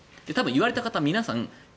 言われた方皆さんえ？